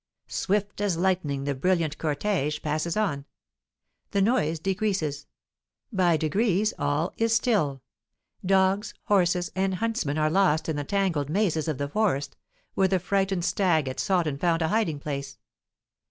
Swift as lightning the brilliant cortège passes on; the noise decreases; by degrees all is still; dogs, horses, and huntsmen are lost in the tangled mazes of the forest, where the frightened stag had sought and found a hiding place.